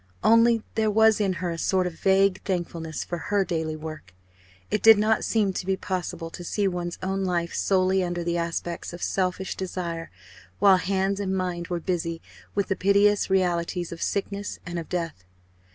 Only there was in her a sort of vague thankfulness for her daily work. It did not seem to be possible to see one's own life solely under the aspects of selfish desire while hands and mind were busy with the piteous realities of sickness and of death.